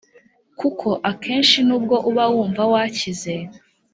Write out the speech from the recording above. kuko akenshi nubwo uba wumva wakize